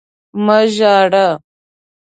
مه ژاړه!